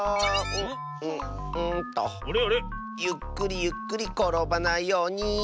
ゆっくりゆっくりころばないように。